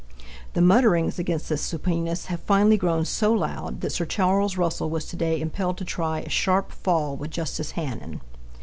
The mutterings against this supineness have finally grown so loud that Sir Charles Russell was to day impelled to try a sharp fall with Justice Hannen.